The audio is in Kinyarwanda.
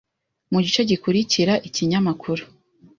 mu gice gikurikira ikinyamakuru